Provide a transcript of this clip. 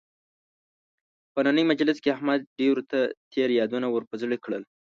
په نننۍ مجلس کې احمد ډېرو ته تېر یادونه ور په زړه کړل.